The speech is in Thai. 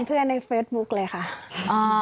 เป็นเพื่อนในเฟสบุ๊คเลยค่ะ